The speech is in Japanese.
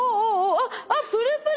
あっプルプル！